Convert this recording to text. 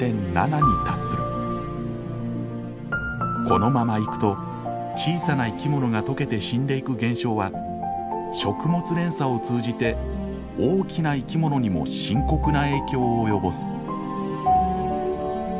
このままいくと小さな生き物が溶けて死んでいく現象は食物連鎖を通じて大きな生き物にも深刻な影響を及ぼす。